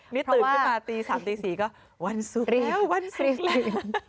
นี่ตื่นขึ้นมาตี๓๔ก็วันศุกร์แล้ววันศุกร์แล้ว